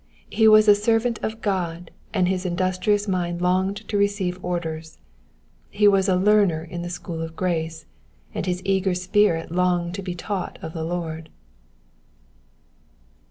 He was a servant of God, and his indus trious mind longed to receive orders ; he was a learner in the school of grace, and his eager spirit longed to be taught of the Lord.